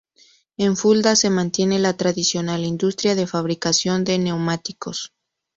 En Fulda se mantiene la tradicional industria de fabricación de neumáticos.